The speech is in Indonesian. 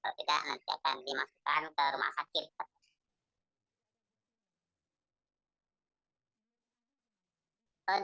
kalau tidak nanti akan dimasukkan ke rumah sakit